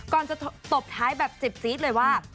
ก่อนจะตบท้ายแบบเจ็บจี๊ดเลยว่า